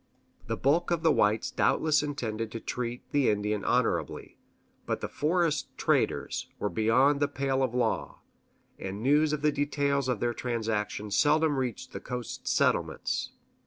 The bulk of the whites doubtless intended to treat the Indian honorably; but the forest traders were beyond the pale of law, and news of the details of their transactions seldom reached the coast settlements.